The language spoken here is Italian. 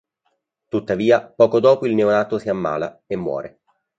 Tuttavia poco dopo il neonato si ammala e muore.